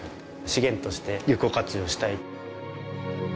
資源として有効活用したい。